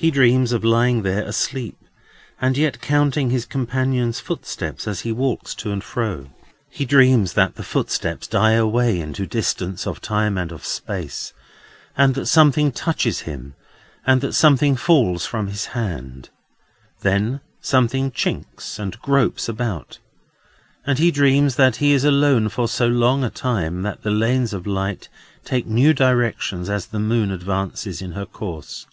He dreams of lying there, asleep, and yet counting his companion's footsteps as he walks to and fro. He dreams that the footsteps die away into distance of time and of space, and that something touches him, and that something falls from his hand. Then something clinks and gropes about, and he dreams that he is alone for so long a time, that the lanes of light take new directions as the moon advances in her course.